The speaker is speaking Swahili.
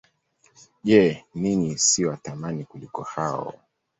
Je, ninyi si wa thamani kuliko hao?